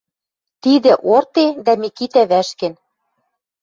«Тидӹ — Орте?» — дӓ Микитӓ вӓшкен